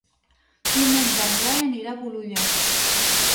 Diumenge en Blai anirà a Bolulla.